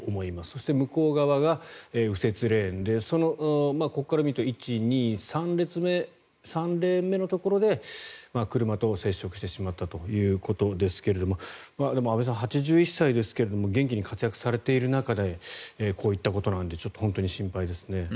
そして、向こう側が右折レーンでここから見ると３レーン目のところで車と接触してしまったということですが安部さん、８１歳ですが元気に活躍されている中でこういったことなので本当に心配ですね。